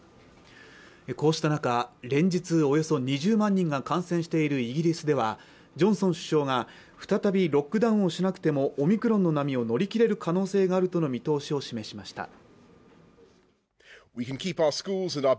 こうした中連日およそ２０万人が感染しているイギリスではジョンソン首相が再びロックダウンをしなくてもオミクロンの波を乗り切れる可能性があるとの見通しを示しました